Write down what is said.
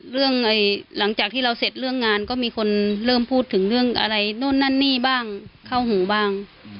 เรื่องงานก็มีคนเริ่มพูดถึงเรื่องอะไรโน่นนั่นนี่บ้างเข้าหูบ้าง